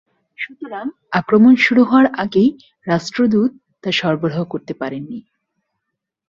সুতরাং আক্রমণ শুরু হওয়ার আগেই রাষ্ট্রদূত তা সরবরাহ করতে পারেননি।